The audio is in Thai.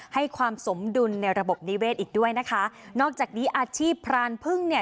ให้ความสมดุลในระบบนิเวศอีกด้วยนะคะนอกจากนี้อาชีพพรานพึ่งเนี่ย